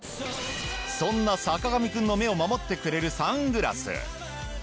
そんな坂上くんの目を守ってくれるサングラス。